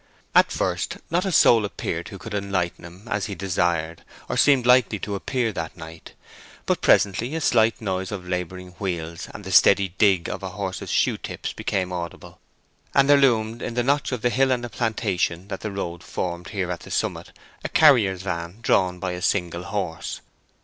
At first not a soul appeared who could enlighten him as he desired, or seemed likely to appear that night. But presently a slight noise of laboring wheels and the steady dig of a horse's shoe tips became audible; and there loomed in the notch of the hill and plantation that the road formed here at the summit a carrier's van drawn by a single horse.